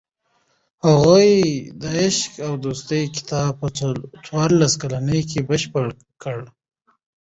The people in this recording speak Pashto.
هغې د "عشق او دوستي" کتاب په څوارلس کلنۍ کې بشپړ کړ.